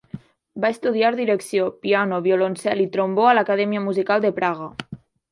Va estudiar direcció, piano, violoncel i trombó a l'Acadèmia Musical de Praga.